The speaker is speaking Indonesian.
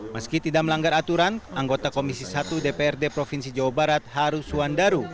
meski tidak melanggar aturan anggota komisi satu dprd provinsi jawa barat harus suandaru